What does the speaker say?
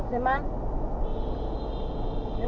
ไปเลยไม่ต้องไหนมา